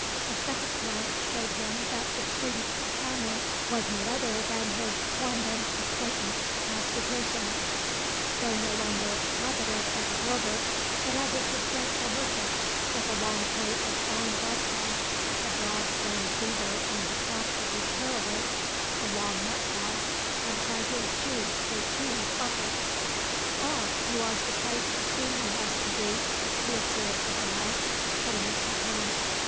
A second glance showed him that the student's companion was no other than his quondam acquaintance Master Pearson, though no longer habited as a drover, but as a substantial merchant, with a long coat of fine broadcloth, a broad brimmed beaver on the top of his periwig, a long neckcloth, and high heeled shoes with huge buckles. "Ah, you are surprised to see me, Master Deane!" he observed with a laugh, putting out his hand.